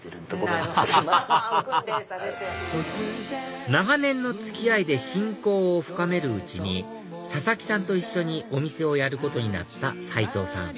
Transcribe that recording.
アハハハハ長年の付き合いで親交を深めるうちに佐々木さんと一緒にお店をやることになった齋藤さん